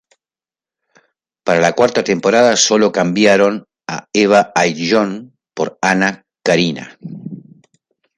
Para la Cuarta Temporada Solo cambiaron a Eva Ayllón por Anna Carina.